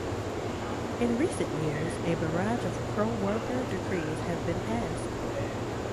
In recent years, a barrage of pro-worker decrees have been passed.